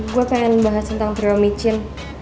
gue pengen bahas tentang trio micin